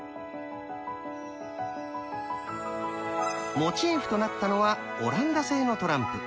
モチーフとなったのはオランダ製のトランプ。